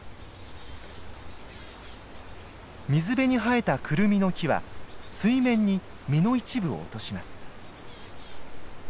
水辺に生えたクルミの木は水面に実の一部を落とします。